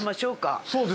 そうですか。